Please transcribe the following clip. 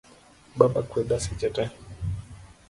Baba kweda seche tee